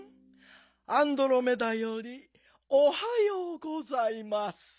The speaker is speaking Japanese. アンドロメダよりおはようございます。